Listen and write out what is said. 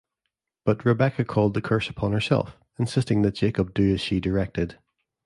But Rebekah called the curse upon herself, insisting that Jacob do as she directed.